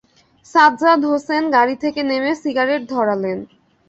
সাজ্জাদ হোসেন গাড়ি থেকে নেমে সিগারেট ধরালেন।